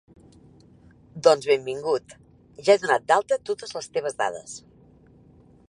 Doncs benvingut, ja he donat d'alta totes les teves dades.